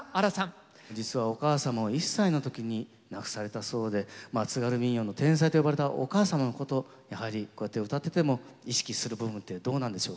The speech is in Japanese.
実はお母様を１歳の時に亡くされたそうで「津軽民謡の天才」と呼ばれたお母様のことやはりこうやってうたってても意識する部分ってどうなんでしょうか？